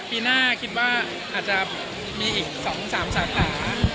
ก็ปีหน้าคิดว่าอาจจะมีอีก๒๓สาขานะครับ